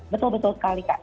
betul betul sekali kak